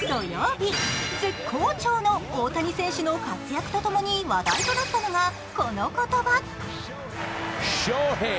土曜日、絶好調の大谷選手の活躍とともに話題となったのが、この言葉。